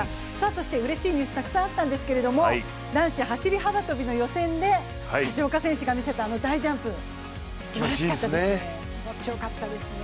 そしてうれしいニュースたくさんあったんですが男子走幅跳の予選で橋岡選手が見せたあの大ジャンプ、気持ちよかったですね。